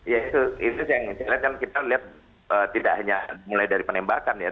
ya itu yang kita lihat tidak hanya mulai dari penembakan ya